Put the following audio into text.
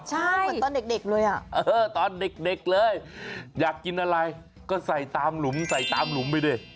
เหมือนตอนเด็กเลยอ่ะตอนเด็กเลยอยากกินอะไรก็ใส่ตามหลุมไปดิ